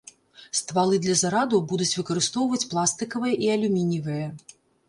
Ствалы для зарадаў будуць выкарыстоўваць пластыкавыя і алюмініевыя.